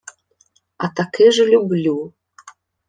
— А таки ж люблю.